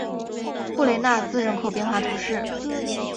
布雷纳兹人口变化图示